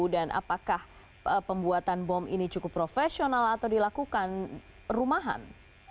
dan apakah pembuatan bom ini cukup profesional atau dilakukan rumahan